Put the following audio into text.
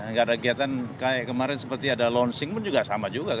nggak ada kegiatan kayak kemarin seperti ada launching pun juga sama juga